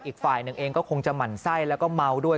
อีกฝ่ายหนึ่งเองก็คงจะหมั่นไส้แล้วก็เมาด้วย